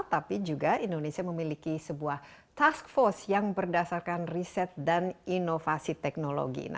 tapi juga indonesia memiliki sebuah task force yang berdasarkan riset dan inovasi teknologi